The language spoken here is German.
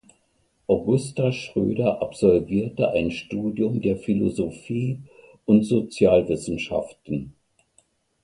Augusta Schroeder absolvierte ein Studium der Philosophie und Sozialwissenschaften.